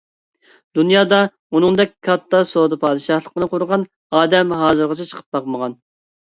دۇنيادا ئۇنىڭدەك كاتتا سودا پادىشاھلىقىنى قۇرغان ئادەم ھازىرغىچە چىقىپ باقمىغان.